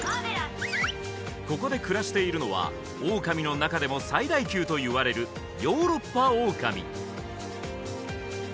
ここで暮らしているのはオオカミの中でも最大級といわれるヨーロッパオオカミ